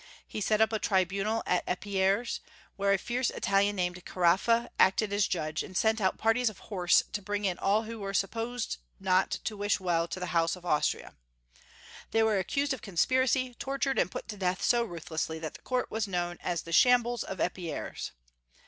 He set up a tribunal at Eperies, where a fierce Italian named Caraffa acted as judge, and sent out parties of horse to bring in all who were supposed not to wish well to the House of Austria. They were accused of conspiracy, tortured, and put to death so ruthlessly that the court was known as the Shambles of Eperies.